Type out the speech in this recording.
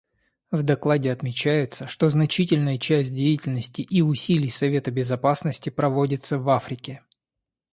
В докладе отмечается, что значительная часть деятельности и усилий Совета Безопасности проводится в Африке.